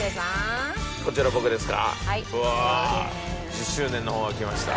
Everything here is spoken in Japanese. １０周年の方が来ました。